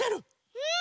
うん！